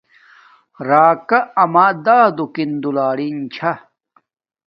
راکا اما دادو انݣے دولارینے چھے